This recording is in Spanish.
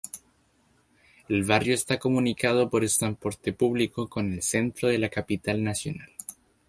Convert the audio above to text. El barrio está comunicado por transporte público con el centro de la capital nacional.